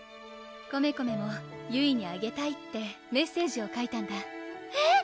コメコメもゆいにあげたいってメッセージを書いたんだえっ！